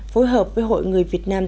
phối hợp với hội người việt nam